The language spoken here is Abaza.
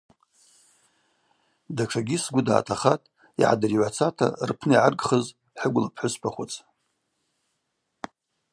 Датшагьи сгвы дгӏатахатӏ йгӏадригӏвацата рпны йгӏаргхыз хӏыгвла пхӏвыспахвыц.